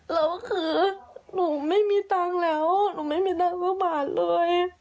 แล้วคือหนูไม่มีตังค์แล้วหนูไม่มีตังค์มาบาทเลย